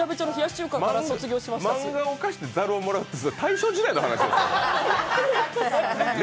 漫画を貸してざるをもらうって、大正時代の話ですよ。